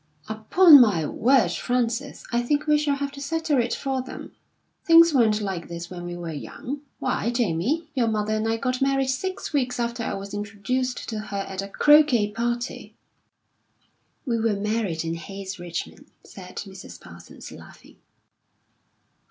"Upon my word, Frances, I think we shall have to settle it for them. Things weren't like this when we were young. Why, Jamie, your mother and I got married six weeks after I was introduced to her at a croquet party." "We were married in haste, Richmond," said Mrs. Parsons, laughing.